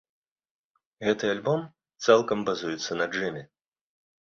Гэты альбом цалкам базуецца на джэме.